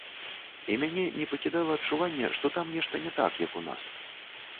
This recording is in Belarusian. І мяне не пакідала адчуванне, што там нешта не так, як у нас.